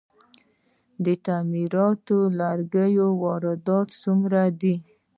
د تعمیراتي لرګیو واردات څومره دي؟